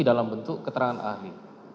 dalam bentuk keterangan ahli